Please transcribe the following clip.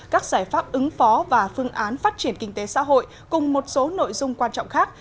các giải pháp ứng phó và phương án phát triển kinh tế xã hội cùng một số nội dung quan trọng khác